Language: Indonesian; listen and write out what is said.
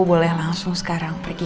boleh langsung sekarang pergi